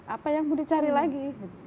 apa yang mau dicari lagi